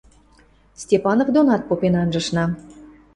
Степанов донат попен анжышна.